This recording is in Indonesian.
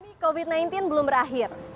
pandemi covid sembilan belas belum berakhir